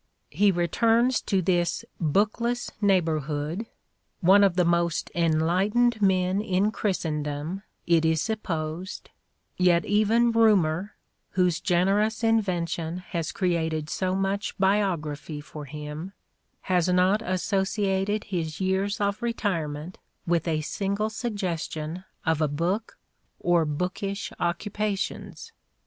Shakspere's He returns to this " bookless neighbourhood " one of the most enlightened men in Christendom it is supposed, yet even Rumour, whose generous invention has created so much " biography " for him, has not associated his years of retirement with a single suggestion of a book or bookish occupations.